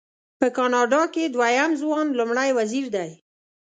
په کاناډا کې دویم ځوان لومړی وزیر دی.